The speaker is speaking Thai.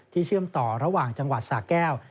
เชื่อมต่อระหว่างจังหวัดสาแก้ว